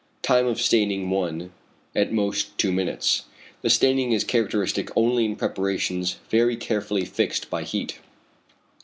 Time of staining 1, at most 2 minutes. The staining is characteristic only in preparations very carefully fixed by heat.